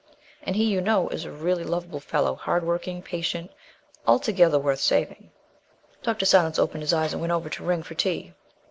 And he, you know, is a really lovable fellow, hard working, patient altogether worth saving." Dr. Silence opened his eyes and went over to ring for tea.